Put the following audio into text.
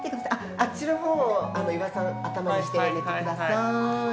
あっちのほう岩井さん頭にして寝てください。